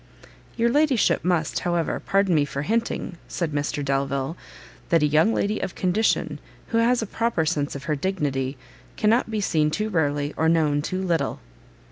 "Your ladyship must, however, pardon me for hinting," said Mr Delvile, "that a young lady of condition, who has a proper sense of her dignity, cannot be seen too rarely, or known too little."